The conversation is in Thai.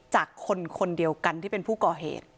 จากคนคนเดียวกันที่เป็นผู้ก่อเหตุ